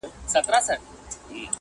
پاچا پورته په کړکۍ په ژړا سو!.